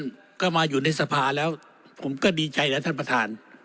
พวกมันมาอยู่ที่สภาแล้วผมก็ดีใจแล้วท่านประทาน